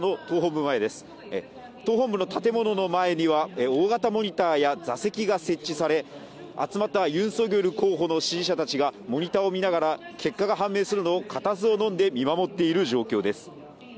党本部の建物の前には大型モニターや座席が設置され集まったユン・ソギョル候補の支持者たちがモニターを見ながら結果が判明するのを固唾をのんで見守っている状況です。